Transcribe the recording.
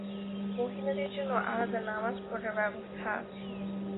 মহিলাদের জন্য আলাদা নামাজ পড়ার ব্যবস্থা আছে।